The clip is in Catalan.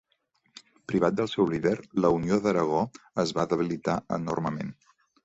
Privat del seu líder, la Unió d'Aragó es va debilitar enormement.